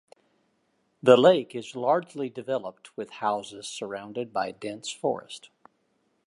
The lake is largely developed with houses surrounded by dense forest.